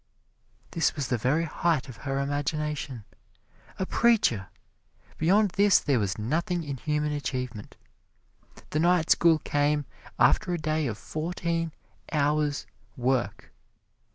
This was the very height of her imagination a preacher! Beyond this there was nothing in human achievement. The night school came after a day of fourteen hours' work.